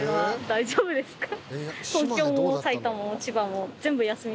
大丈夫ですか？